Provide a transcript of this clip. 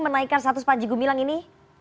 menaikan status panjigo milang ini